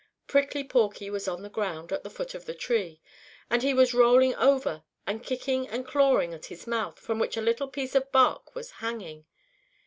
Prickly Porky was on the ground at the foot of a tree, and he was rolling over and kicking and clawing at his mouth, from which a little piece of bark was hanging.